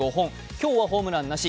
今日はホームランなし。